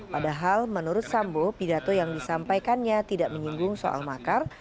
padahal menurut sambo pidato yang disampaikannya tidak menyinggung soal makar